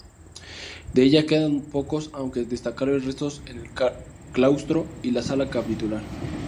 De ella, quedan pocos aunque destacables restos en el claustro y la sala capitular.